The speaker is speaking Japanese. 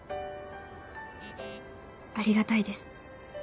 「ありがたいです」。